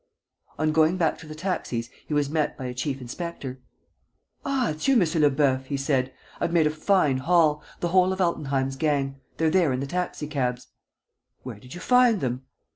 On going back to the taxis, he was met by a chief inspector: "Ah, it's you M. Lebœuf!" he said. "I've made a fine haul. ... The whole of Altenheim's gang. ... They're there in the taxi cabs." "Where did you find them?"